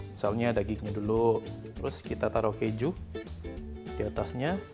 misalnya dagingnya dulu terus kita taruh keju di atasnya